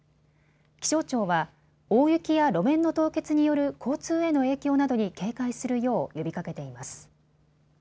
気象庁は大雪や路面の凍結による交通への影響などに警戒するよう呼びかけています。